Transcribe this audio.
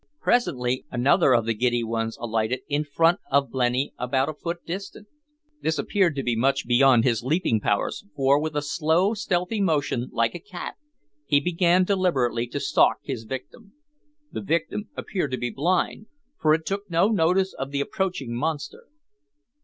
Presently another of the giddy ones alighted in front of blenny about a foot distant. This appeared to be much beyond his leaping powers, for, with a slow, stealthy motion, like a cat, he began deliberately to stalk his victim. The victim appeared to be blind, for it took no notice of the approaching monster.